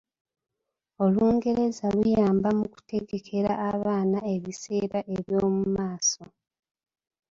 Olungereza luyamba mu kutegekera abaana ebiseera eby'omu maaso.